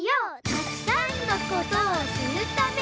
「たくさんの事をするために」